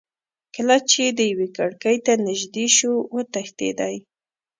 کله چې دېو کړکۍ ته نیژدې شو وتښتېدی.